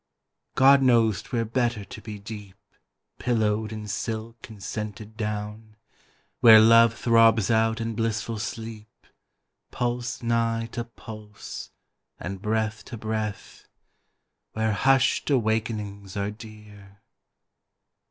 God knows 'twere better to be deep Pillowed in silk and scented down, Where Love throbs out in blissful sleep, Pulse nigh to pulse, and breath to breath, Where hushed awakenings are dear